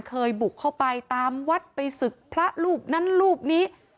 เคยบุกเข้าไปตามวัดไปศึกพระรูปนั้นรูปนี้